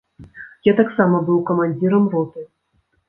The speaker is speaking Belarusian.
Я таксама быў камандзірам роты.